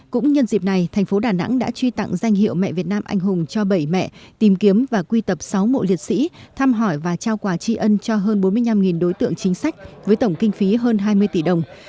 cũng nhân dịp này thành phố đà nẵng đã truy tặng danh hiệu mẹ việt nam anh hùng cho bảy mẹ tìm kiếm và quy tập sáu mộ liệt sĩ thăm hỏi và trao quà tri ân cho hơn bốn mươi năm đối tượng chính sách với tổng kinh phí hơn hai mươi tỷ đồng